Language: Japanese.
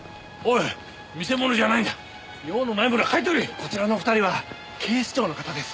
こちらの２人は警視庁の方です。